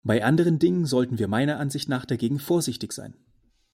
Bei anderen Dingen sollten wir meiner Ansicht nach dagegen vorsichtig sein.